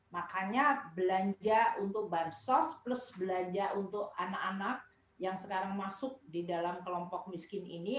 makanya belanja untuk bansos plus belanja untuk anak anak yang sekarang masuk di dalam kelompok miskin ini